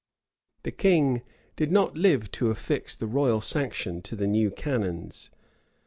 [] The king did not live to affix the royal sanction to the new canons.